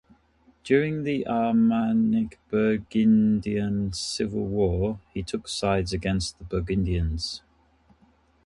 During the Armagnac-Burgundian Civil War he took sides against the Burgundians.